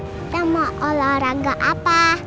kita mau olahraga apa